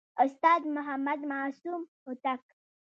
استاد محمد معصوم هوتک